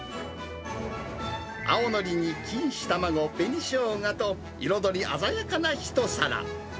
青のりに錦糸卵、紅ショウガと、彩り鮮やかな一皿。